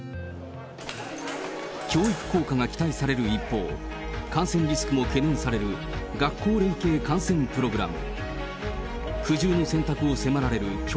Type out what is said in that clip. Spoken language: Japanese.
教育効果が期待される一方、感染リスクも懸念される学校連携観戦プログラム。